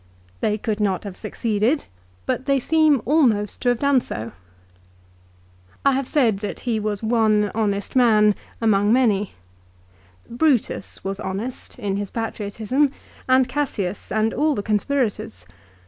They could not have succeeded, but they seem almost to have done so. I have said that he was one honest man among many. Brutus was honest in his patriotism, and Cassius, and all the conspirators.